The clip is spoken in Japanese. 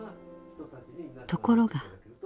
ところが。